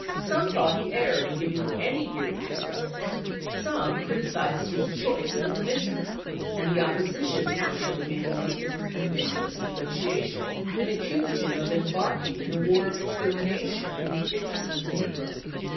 Some thought he erred in giving any hearing to the rebels ; some criticized his choice of a commissioner ; and the opposition naturally made the most of his conditions of nego tiation, and accused him of embarking in a war of extermination in the interest of the negro.